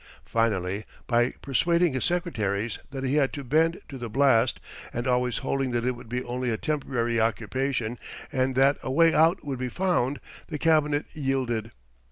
Finally, by persuading his secretaries that he had to bend to the blast, and always holding that it would be only a temporary occupation and that a way out would be found, the Cabinet yielded.